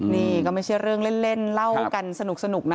นี่ก็ไม่ใช่เรื่องเล่นเล่ากันสนุกนะ